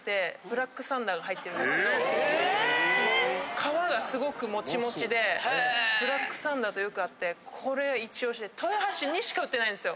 皮がすごくモチモチでブラックサンダーとよく合ってこれイチオシで豊橋にしか売ってないんですよ。